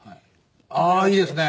ああいいですね！